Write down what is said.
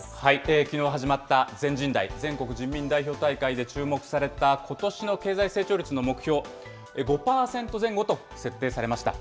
きのう始まった全人代・全国人民代表大会で注目されたことしの経済成長率の目標、５％前後と設定されました。